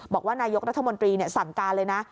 บอกว่านายกรัฐมนตรีสั่งการเลยนะ